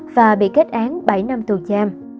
và bị kết án bảy năm tù giam